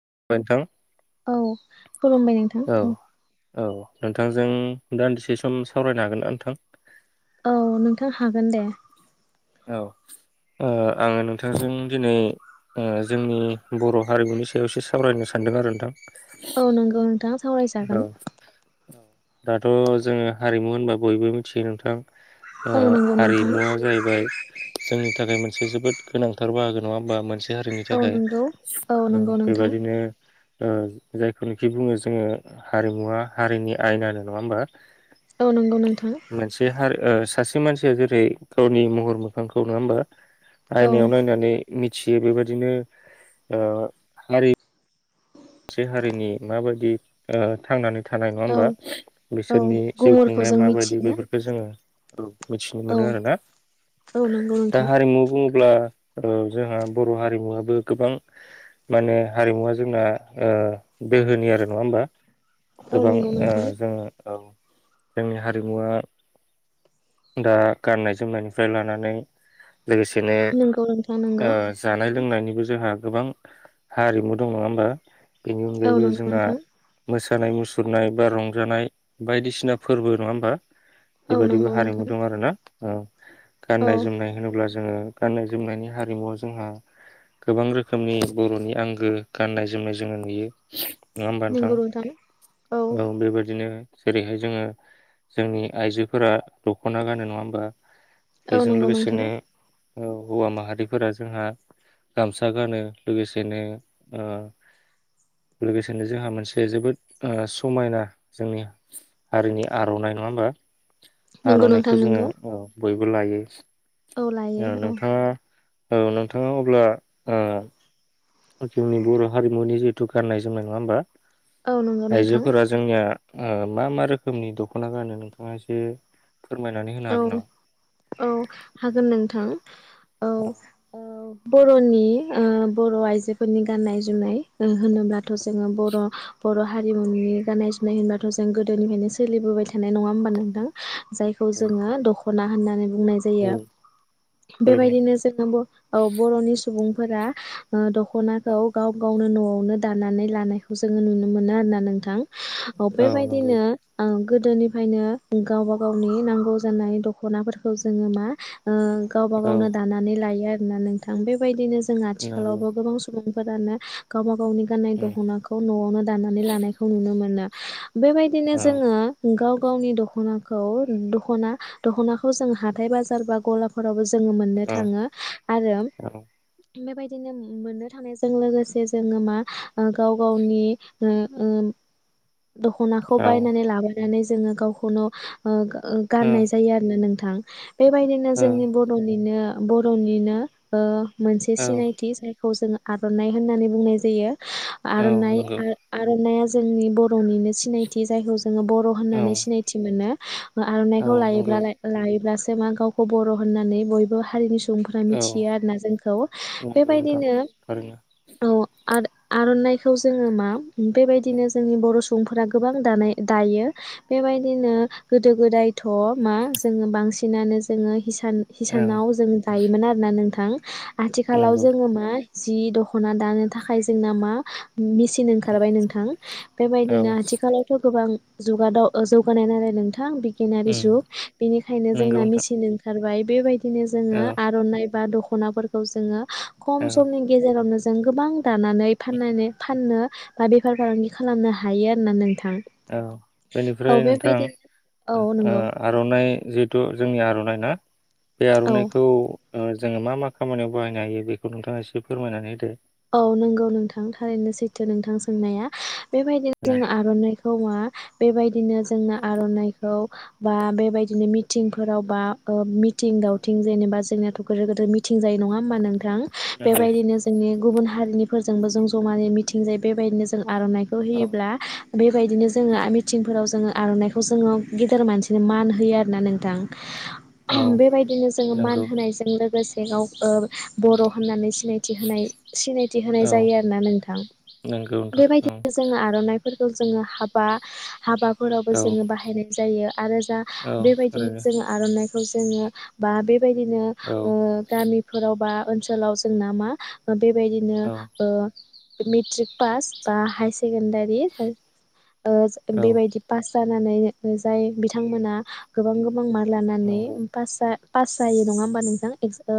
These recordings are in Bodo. [unintelligible] नोंथां। औ खुलुमबाय नोंथां। औ औ नोंथांजों दान्दिसे सम सावरायनो हागोन ना नोंथां? औ नोंथां हागोन दे। औ ओ आङो नोंथांजों दिनै ओ जोंनि बर' हारिमुनि सायाव एसे सावरायनो सानदों आरो नोंथां। औ नंगौ नोंथां। औ सावरायजागोन दाथ' जोङो हारिमु होनबा बयबो मिथियो नोंथां। ओ औ नंगौ नोंथां हारिमुवा जाहैबाय जों थाखाय मोनसे जोबोद गोनांथार बाहागो नङा होनबा? मोनसे हारिनि औ थाखाय नंगौ औ ओ नंगौ नोंथां बेबादिनो ओ जायखौनोखि बुङो जोङो हारिमुवा हारिनि आयनानो नङा होमबा? औ नंगौ नोंथां मोनसे हा ओ सासे सासे मानसिया जेरै गावनि महर मोखांखौ नङा होमबा? औ आयनायाव नायनानै मि थियो बेबायदिनो ओ हारि मोनसे हारिनि माबायदि ओ थांनानै थानाय नङा औ होमबा औ बिसोरनि जिउ गुमुरखौ खुंनाया जों माबायदि मिथियोना बेफोरखौ जोङो औ मिथिनो औ मोनो आरोना औ नंगौ दा नोंथां हारिमु बुङो अब्ला ओ जोंहा बर' हारिमुवाबो गोबां माने हारिमुवा जोंना ओ गोहोनि आरो नङा होमबा? औ गोबां नंगौ ओ नोंथां जोङो औ। जोंनि हारिमुवा दा गाननाय जोमनायनिफ्राय लानानै लोगोसेनो नंगौ नोंथां नंगौ जानाय ओ लोंनायनि जोंहा गोबां हारिमु दं नङा होमबा? बेनि औ अनगायैबो नंगौ जोंना नोंथां मोसौ मोसानाय मुसुरनाय बा रंजानाय बायदिसिना फोरबो नङा होमबा? औ बेबायदिबो नंगौ नोंथां हारिमु दं आरोना। औ औ गाननाय जोमनाय होनोब्ला जोङो गाननाय जोमनायनि हारिमुवा जोंहा गोबां रोखोमनि बर'नि आंगो गाननाय जोमनाय जोङो नुयो। नङा होनबा नोंथां औ बेबायदिनो जेरैहाय जोङो जोंनि आइजोफोरा दख'ना गानो‌ नङा होमबा? औ बेजों नंगौ नोंथां लोगोसेनो औ हौवा माहारिफोरा जोंहा गामसा गानो लोगोसेनो ओ लोगोसेनो जोंहा मोनसे जोबोद ओ समायना जोंनि हारिनि आर'नाइ नङा होमबा? नंगौ नोंथां आर'नाइखौ जोङो नंगौ औ बय बो लायो। औ लायो औ। नोंथाङा ओ नोंथाङा अब्ला ओ जोंनि बर' हारिमुनि जिथु गाननाय जोमनाय नङा होमबा? औ नंगौ नोंथां आइजोफोरा जोंनिया ओ मा मा रोखोमनि दख'ना गानो नोंथाङा एसे फोरमायनानै होनो औ हागोन नामा? औ हागोन नों थां। औ औ बर'नि ओ बर' आइजोफोरनि गाननाय-जोमनाय ओ होनोब्ला जोङो बर'-बर' हारिमुनि गाननाय-जोमनाय होनबाथ' जों गोदोनिफ्रायनो सोलिबोबाय थानाय । नङा होमबा नोनथां? जाय औ जोङो दख' ना होननानै बुंनाय औ जायो। ओरैनो बेबायदिनो जोङो बर'नि औ बर' सु बुंफोरा दख'नाखौ गाव गावनो न'आवनो दानानै लानायखौ जोङो नुनो मोनो आरोना नोंथां। औ बेबायदिनो ओं गोदोनिफायनो गावबा गाव नि नांगौ जानाय दख'नाफोरखौ जोङो मा ओ गावबा औ गावनो दानानै लायो आ रोना नोंथां । बेबायदिनो जों नंगौ आथिखालावबो गोबां सुबुं फोरानो गावबा गावनि गाननाय उम दख'नाखौ न'आवनो दिनानै लानायखौ नुनो मोनो। बेबायदिनो औ जोङो गाव गावनि दख'ना खौ दख'ना-दख'नाखौ जों हाथाय-बाजार बा गलाफोराव जोङो मोननो औ थाङो आरो औ बेबायदिनो मोननो थानायजों लोगोसे जोङो मा ओ गाव गावनि ओ ओम दख'नाखौ बायनानै लाबो । नानै जोङो गावखौन' ओ गा ओ औ गाननाय जायो आरोना नोंथां । थां बेबायदिनो औ जोंनि बर'निनो बर'निनो ओ मोनसे औ सिनायथि [unintelligible] खौ जों आर'नाइ होननानै बुंनाय जायो । औ आर'नाइ नंगौ ओ आर'नाइया जोंनि बर'निनो सिनायथि जायखौ ज ङो बर' औ होननानै सिनायथि मोनो। ओ औ आर'नाइखौ नंगौ लायोब्लाय लायोब्लासो [unintelligible] गावखौ बर' होननानै बयबो हारिनि स सुबुंफोरा औ मिथियो आरोना जोंखौ। नंगौ नोंथां बेबायदिनो थारैनो औ आर आर'नाइखौ जोङो मा बेबायदिनो जोंनि बर' सु सुबुंफोरा गोबां दानाय दायो बेबायदिनो गोदो गोदायथ' मा जोङो बांसिनानो जोङो हिसान औ हिसानाव जों दायोमोन आरोना नोंथां। थां आथिखालाव नंगौ जोङो मा जि दख'ना दानो थाखाय जोंना मा मेसिन उम ओंखारबाय नोंथां औ बेबायदिनो आथिखालावथ' गोबां जुगादाव ओ जौगानाय नालाय नोंथां थां बि केणारि उम जुग बेनिखायनो नंगौ जोंना नोंथां मिसिन ओं थारबाय बेबायदि थिनो जोङो औ आर'नाइ बा दख'नाफोरखौ जोङो खम औ समनि गेजेरावनो जों गोबां दानानै फाननानै फाननो बा बेफार फालांगि खालामनो हायो आरो ना नों थां औ औ बेनिफ्राय नोंथां बेबायदि ओ आरना नाइ जिहेतु जोंनि आर'नाइना बे औ आर'नाइखौ ओ जोङो मा मा खामानियाव बाहायनो हायो बेखौ नोंथाङा एसे फोरमायनानै हो दो। औ नंगौ नोंथां थारैनो सैथो नोंथां सोंनाया बेबायदिनो जोङो आर'नाइखौ मा बेबायदिनो जोङो आर'नाइखौ बा बेबायदिनो मिटिंफोराव बा ओ मि थिं दावथिं जेनेबा जोङो थ' गोदोर गोदोर मिथिं जायो नङा होमबा नोंथां नंगौ बेबायदिनो जोंनि गुबुन हारिनिफोरजोंबो जों ज'मायै मिथिंजायो बेबायदिनो जोङो आर'नाइखौ औ होयोब्ला बेबायदिनो जोङो आ मिथिंफोराव जोङो आर'नाइखौ जोङो गेदेर मानसिनो मान होयो आरोना नोंथां। औ बेबायदिनो जोङो मान नंगौ होनायजों लोगोस बेंआव ओ बर' होननानै सिनायथि होनाय सिनायथि होनाय औ जायो आरोना नोंथां। नंगौ नोंथां औ बेबायदिनो जोङो आर'नाइ फोरखौ जोङो हाबा हाबा फोरावबो औ जोङो बाहायनाय जायो। आरो जा औ बेबायदिनो ओरैनो जोङो आर'नाइ जोङो बा बे बायदिनो औ ओ गामिफोरावबा ओनसोलाव जोंना मा बेबायदिनो औ ओ मिट्रिक पास बा हायस सेकेन्डारि जाय ओ जो औ बेबायदि पास जानानै ओ जाय बिथांमोना गोबां गो बां मार्क लानानै नंगौ फासआ पास जायो नङा होमबा नोंथां। एस ओ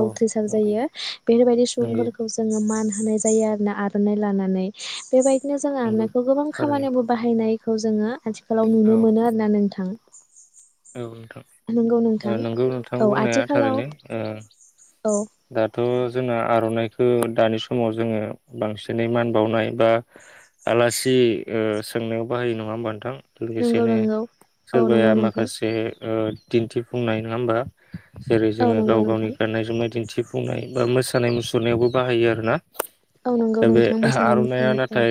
औ उथ्रिसार नंगौ जायो बेफोरबायदि सु नंगौ सुबुंफोरखौ जोङो मान होनाय जायो आरो ना आर'नाइ लानानै। बेबायदिनो जोङो नंगौ आरनायखौ गोबां थारैनो खामानियावबो बाहायनाय खौ जोङो आथिखालाव नुनो औ मोनो आरो ना नोंथां। थां नंगौ ओ नोंथां नोंगौ नोंथां औ बुंनाया आथिखालाव थारैनो ओ औ थ' जोंना आर'नाइखौ दानि समाव जोङो बांसिनै मान बावनाय बा आलासि ओ सोंनायाव बाहायो नङा होमबा नोंथां। नंगौ लोगोसेनो नंगौ औ नंगौ नोंथां। ए ओ दिन्थिफुंनाय नङा होमबा? जेरै औ जोङो नंगौ गाव गावनि नोंथां गाननाय जोमनाय दिन्थि फुंनाय बा मोसानाय मुसुरनायावबो बाहायो आरो ना। औ नंगौ दा बे नोंथां मोसानाय आर'नाइआ मुसुरनाय औ नाथाय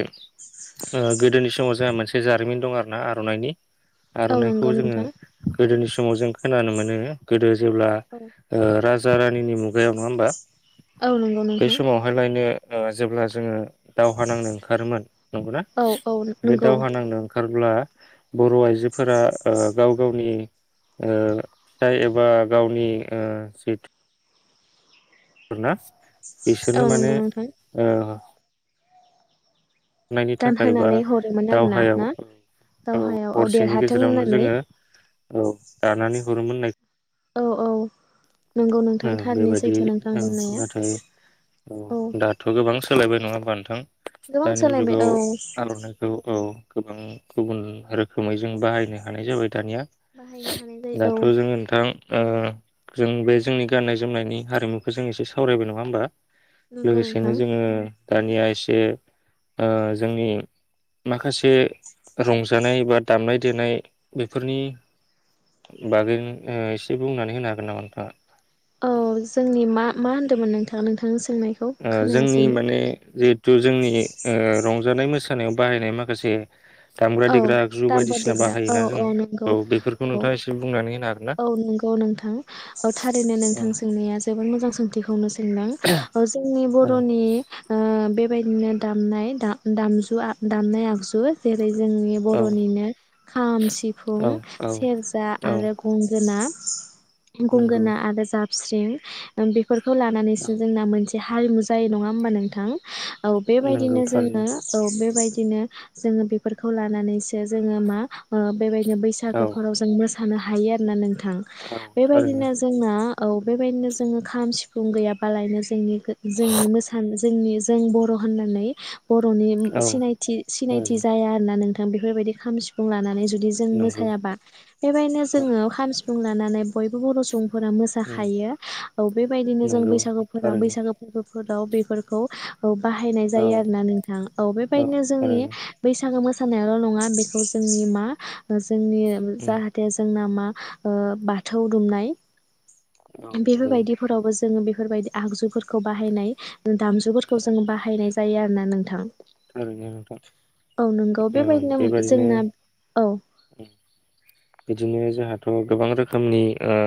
ओ गोदोनि समाव जोंहा मोनसे जारिमिन दं आरोना आर'नाइनि। औ आर'नाइखौ नंगौ जोङो नोंथां गोदोनि समाव जों खोनानो मोनो गोदो जेब्ला औ राज जा रानिनि मुगायाव नङा होमबा? औ नंगौ बे नोंथां समावहायलायनो ओ जेब्ला जोङो दावहा नांनो ओंखारोमोन नंगौना औ औ बे नंगौ दावहा नांनो ओंखार अब्ला बर' आइजोफोरा ओ ‌ गावगावनि ओ फिसाइ एबा गावनि ओ जिथु रो ना? औ बिसोरनो नंगौ माने नोंथां ओ हरनायनि थाखाय बा गानहोनानै हरोमोन आरो ना दावहायाव ना? दावहायाव औ हरसेनि देरहाथों गेजेरावनो होननानै। जोङो औ दानानै हरोमोन नाय औ औ। नंगौ औ नोंथां थारैनो बेबायदि सैथो नोंथां औ बुंनाया नाथाय औ दाथ' गोबां सोलायबाय नङा होमबा नोंथां? गोबां दानि सोलायबाय जुगाव औ आर'नाइखौ औ। गोबां गुबुन रोखोमै जों बाहायनो हानाय जाबाय दानिया। बाहायनो हानाय जायो औ दाथ' जोङो नोंथां ओ जों बे जोंनि गाननाय जोमनायनि हारिमुखौ जों एसे सावरायबाय नङा होमबा? नंगौ लोगोसेनो नोंथां जोङो दानिया एसे ओ जोंनि माखासे ए रंजा जानाय बा दामनाय देनाय बेफोरनि बागै ओ एसे बुंनानै होनो हागोन नामा नोंथाङा? औ जोंनि मा मा होनदोंमोन नोंथाङा नोंथां सोंनायखौ ओ जोंनि खोनायासैमोन माने जिहेथु जोंनि उम रंजानाय मोसा नायाव बाहायनाय माखासे दामग्रा औ देग्रा आगजु दामग्रा बायदिसिना देग्रा औ बाहायोना औ जोङो नंगौ बेफोरखौ औ नोंथाङा एसे बुंनानै होनो हागोन ना? औ नंगौ नोंथां औ थारैनो औ नोंथां सोंनाया जोबोद मोजां सोंथिखौनो सों दों ओ जोंनि औ बर'नि ओ बे बेबायदिनो दामनाय दा-दामजु आ दामनाय आगजु जेरै जोंनि औ बर'निनो खाम औ सिफुं औ सेरजा औ आरो गंगोना। नंगौ गंगोना आरो जा स्रिं ओ बे फोरखौ लानानैसो औ जोंना मोनसे। बे हारिमु जायो नङा होमबा नोंथां। औ नंगौ बेबायदिनो थारैनो जोङो औ बेबाय बिदिनो जोङो बे फोरखौ लानानैसो जोङो मा बेबाय औ बैसागोफोराव जों मोसानाय थानो हायो आरो ना नोंथां। थां थारैनो बेबायदिनो जोंना। औ बेबायदिनो जोङो खाम सिफुं गैयाबालायनो जोंनि। गो जोंनि मोसानो जोंनि जों बर' होननानै। बर'नि औ सिनायथि-सिनायथि थारैनो आरोना नोंथां बेफोरबायदि खाम सि फुं लानानै जुदि जों नंगौ मोसायाबा बेबायदिनो जोङो खाम सि फुं लानानै बयबो बर' सुब फोरा उम मोसाखायो औ बेबायदिनो जों नंगौ बैसागुफोरा थारैनो बैसागुफोरबो फोराव बेफोरखौ औ बाहायनाय औ जायो आरो ना नोंथां औ बेबायदिनो जोंनि बैसागो मोसानायावल नङा बेखौ जोंनि मा जोंनि उम जाहाथे जोंना मा। ओ बाथौ दुमनाय। औ नंगौ बेफोरबायदिफोरावबो जोंङो बेफ बेफोरबायदि आगजुफोरखौ बाहायनाय दामजुफोरखौ औ जों बाहायनाय ज जायो आरोना नोंथां। थारैनो नोंथां औ नोंगौ बेबायदिनो जोंना औ। बिदिनो जोंहाथ गोबां रोखोमनि ओ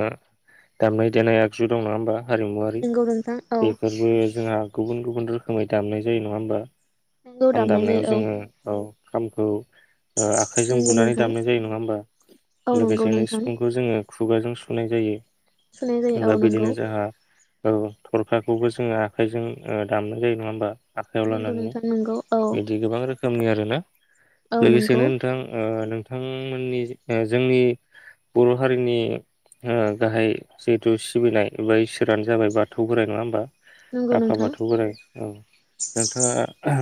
दामनाय देनाय आगजु दं नङा होमबा। हारिमुआरि नंगौ नोंथां औ बेफोरबो जोंहा गुबुन-गुबुन रोख खोमाय दामनाय जायो नङा होमबा। नंगौ खाम दामनाय दामनायाव जायो औ जोंङो औ खामखौ ओ आखाइजों नंगौ बुनानै नोंथां दामनाय जायो नंङा होमबा औ नंगौ लोगोसेनो नोंथां सिफुंखौ जोंङो खुगाजों सुनाय जायो। सुनाय जायो दा औ नोंगौ बिदिनो जोंहा औ थरखाखौबो जोंङो आखाइजों ओ दामनाय जायो नंङा होमबा आखाइयाव नोंगौ लानानै नोंथां नोंगौ बिदि गोबां रोखोमनि आरोना औ नंगौ लोगोसेनो नोंथां‌‌ ओ ओ नोंथांमोननि ओ जोंनि बर' हारिनि ओ गाहाय जिहेथु सिबिनाय एबा इसोरानो जाबाय बाथौ बोराइ नंङा होमबा नंगौ आफा नोंथां बाथौ बोराइ औ नोंथांङा अ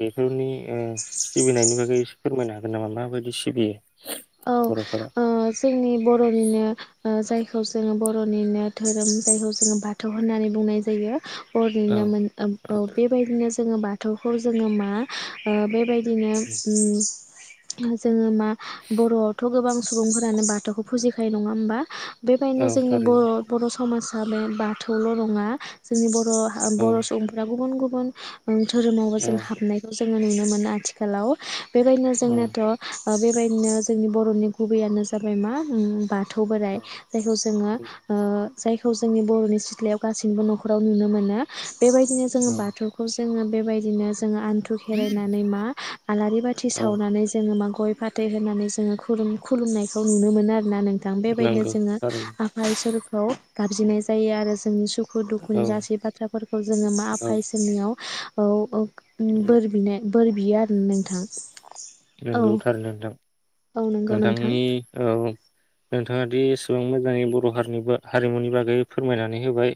बेफोरनि ओ सिबिनायनि बागैसे फोरमायनो हागोन नामा माबायदि सिबियो औ बर'फोरा ओ जोंनि बर'निनो ओ जाय खौ जोंङो बर'निनो धोरोम जायखौ जोंङो बाथौ होननानै बुंनाय जायो औ अरिना मोन ओम औ बेबायदिनो जों बाथौखौ जोंङो मा ओ बेबाय दिनो उम जोंङो मा बर'आवथ' गोबां सुबुंफोरानो बाथौखौ फुजिखायो नंङा होमबा बेबायदिनो औ जोंनि थारैनो बर' बर'स समाजा बे बाथौल नंङा जोंनि बर' हा औ बर' सुबुंफोरा गुबुन गु बुन धोरोमावबो औ जों हाबनायखौ ज जोंङो नुनो मोनो आथिखालाव बेबायदिनो औ जोंनोथ' ओ बेबायदिनो जोंनि बर'नि गुबैयानो जाबाय मा उम बा थौ बोराइ जायखौ जोंङो ओ जायखौ जोंनि बर'नि सिथ्लायाव गासैबो न'खराव नुनो मोनो बेबायदिनो जोंङो औ बाथौखौ जोंङो बेबायदिनो जों आनथु खेरायनानै मा आलारि बाथि औ सावनानै जों मा गय फाथै होनानै जोंङो खुलुम खुलुमनायखौ नुनो मोनो आरो होनना नोंथां बेबायदिनो नंगौ जोङो थारैनो आफा इसोरखौ गाबज्रिनाय जायो आरो जोंनि सु दुखु दुखुनि औ गासै बाथ्राफोरखौ जोङो मा औ आफा इसोरनियाव औ औ। उम बोर बिनो बोर बियो आरोना नोंथां। औ नंगौथार नोंथां। औ नंगौ नोंथां नोंथांनि ओ औ नोंथाङा दि एसेबां मोजाङै बर' हारिनिबो हारिमुनि बागै फोरमायनानै होबाय।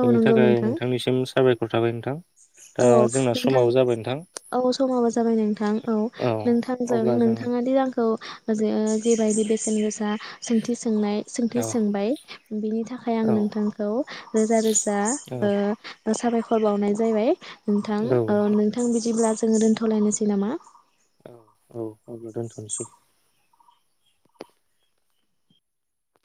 औ बेनि नंगौ थाखाय नोंथां नोंथांनिसिम साबायखर। खर थाबाय नोंथां। दा औ जोंना नोंथां समाबो जाबाय नोंथां औ समाबो जाबाय नोंथां औ। नोंथांजों अब्ला जोङो नोंथाङा दि रां खौ जेबायदि बेसेन गोसा सोंथि सोंनाय सोंथि औ सोंबाय बिनि थाखाय आं औ नोंथांखौ रोजा रोजा औ ओ साबायखर बावनाय जायबाय नोंथां ओ नोंथां बिदिब्ला जोङो दोन्थ'लायनोसै नामा? औ औ अब्ला दोनथ'नोसै।